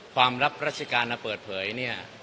ความลับราชการนะเปิดเผยเนี่ย